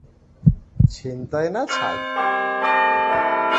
ছিনতাই না ছাই।